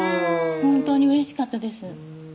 本当にうれしかったです